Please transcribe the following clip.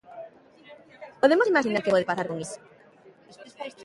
Podemos imaxinar que pode pasar con iso?